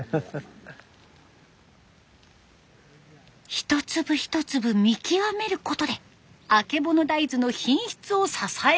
一粒一粒見極めることであけぼの大豆の品質を支えています。